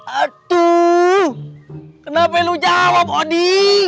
aduh kenapa lu jawab adi